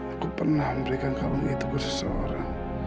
aku pernah memberikan kamu itu ke seseorang